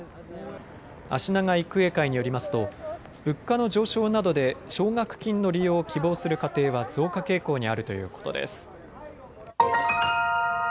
あしなが育英会によりますと物価の上昇などで奨学金の利用を希望する家庭は増加傾向にあるということです。